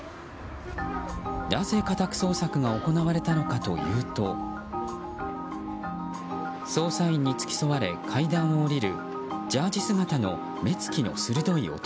なぜ家宅捜索が行われたのかというと捜査員に付き添われ階段を下りるジャージー姿の目つきの鋭い男。